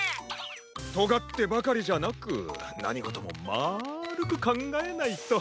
とがってばかりじゃなくなにごともまるくかんがえないと。